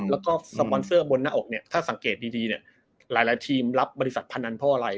แล้วสปอนเซอร์น้าอกถ้าสังเกตดีหลายทีมรับบริษัทพนันเพราะอะไร